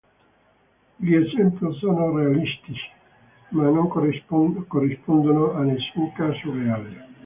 Gli esempio sono realistici ma non corrispondono a nessun caso reale.